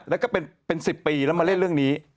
แล้วก็เป็น๑๐ปีแล้วมาเล่นเรื่องนี้